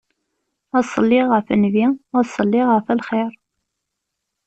Ad ṣelliɣ ɣef Nnbi, ad ṣelliɣ ɣef lxir.